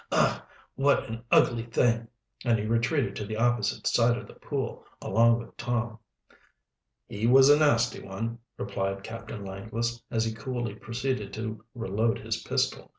"Ugh! what an ugly thing!" And he retreated to the opposite side of the pool, along with Tom. "He was a nasty one," replied Captain Langless, as he coolly proceeded to reload his pistol.